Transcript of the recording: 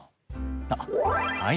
あっはい